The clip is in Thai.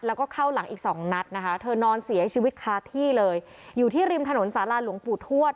แล้วก็เข้าหลังอีกสองนัดนะคะเธอนอนเสียชีวิตคาที่เลยอยู่ที่ริมถนนสาราหลวงปู่ทวด